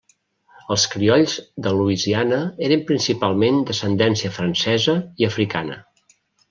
Els criolls de Louisiana eren principalment d'ascendència francesa i africana.